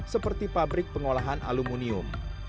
seperti pabrik pengolahan aluminium